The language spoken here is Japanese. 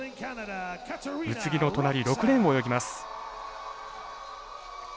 宇津木の隣６レーンを泳ぎます。